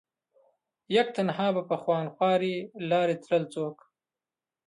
يک تنها به په خونخوارې لارې تلل څوک